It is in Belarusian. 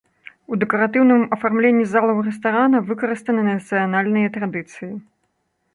У дэкаратыўным афармленні залаў рэстарана выкарыстаны нацыянальныя традыцыі.